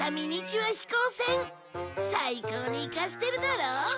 最高にイカしてるだろう？